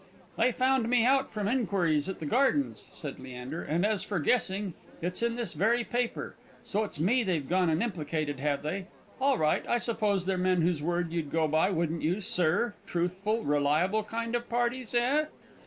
"They found me out from inquiries at the gardens," said Leander; "and as for guessing, it's in this very paper. So it's me they've gone and implicated, have they? All right. I suppose they're men whose word you'd go by, wouldn't you, sir truthful, reliable kind of parties, eh?"